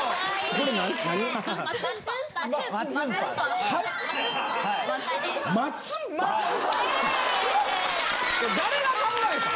これ誰が考えたん？